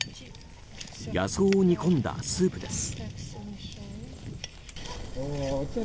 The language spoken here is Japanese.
野草を煮込んだスープです。